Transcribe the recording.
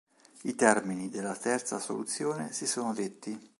I termini della terza soluzione si sono detti.